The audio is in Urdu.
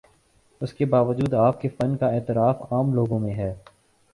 اس کے باوجود آپ کے فن کا اعتراف عام لوگوں میں ہے۔